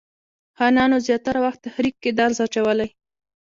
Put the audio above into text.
خانانو زیاتره وخت تحریک کې درز اچولی.